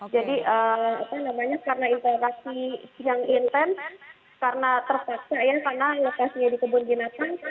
jadi karena interaksi yang intens karena terseksa karena lepasnya di kebun ginasan